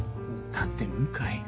だって向井が。